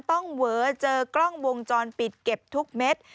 เวอเจอกล้องวงจรปิดเก็บทุกเม็ด